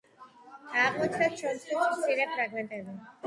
აღმოჩნდა ჩონჩხის მცირე ფრაგმენტები.